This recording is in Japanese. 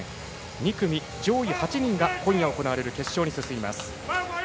２組、上位８人が今夜行われる決勝に進みます。